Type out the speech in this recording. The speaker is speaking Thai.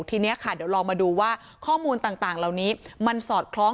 ทีนี้ค่ะเดี๋ยวลองมาดูว่าข้อมูลต่างเหล่านี้มันสอดคล้อง